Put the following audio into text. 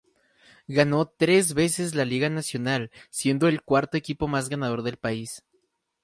Ganó tres veces la Liga Nacional, siendo el cuarto equipo más ganador del país.